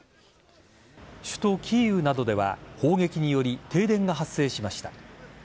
首都・キーウなどでは砲撃により停電が発生しました。